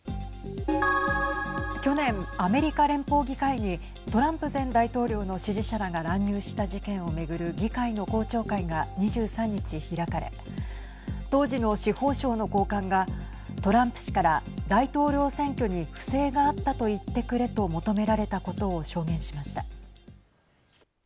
去年、アメリカ連邦議会にトランプ前大統領の支持者らが乱入した事件を巡る議会の公聴会が２３日開かれ当時の司法省の高官がトランプ氏から、大統領選挙に不正があったと言ってくれと求められたことを証言しました。